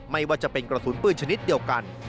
ไม่ว่าจะเป็นกระสุนปืนชนิดเดียวกัน